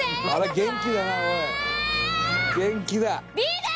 元気だ。